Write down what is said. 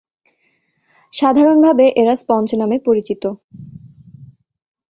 সাধারণভাবে এরা স্পঞ্জ নামে পরিচিত।